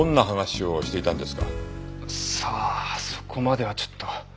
さあそこまではちょっと。